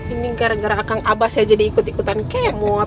ini gara gara akang abah saya jadi ikut ikutan kemot